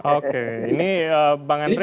oke ini bang andri